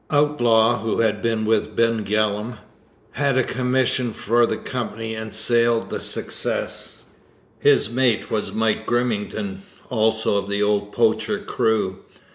Outlaw, who had been with Ben Gillam, had a commission for the Company and sailed the Success. His mate was Mike Grimmington, also of the old poacher crew.